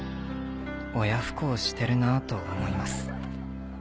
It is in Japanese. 親不孝してるなあと思います。